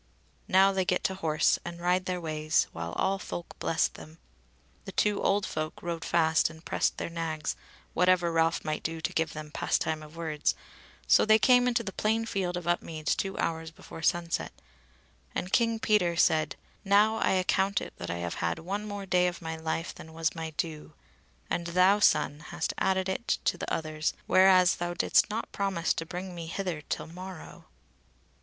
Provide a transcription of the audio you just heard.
Now they get to horse and ride their ways, while all folk blessed them. The two old folk rode fast and pressed their nags whatever Ralph might do to give them pastime of words; so they came into the plain field of Upmeads two hours before sunset; and King Peter said: "Now I account it that I have had one day more of my life than was my due, and thou, son, hast added it to the others whereas thou didst not promise to bring me hither till morrow."